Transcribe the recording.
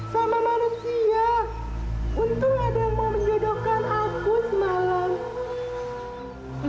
sama manusia untung ada yang mau menjodohkan aku semalam